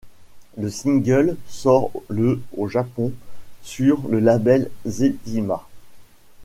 Le single sort le au Japon sur le label zetima.